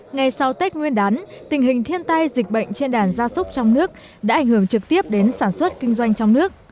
ngay sau tết nguyên đán tình hình thiên tai dịch bệnh trên đàn gia súc trong nước đã ảnh hưởng trực tiếp đến sản xuất kinh doanh trong nước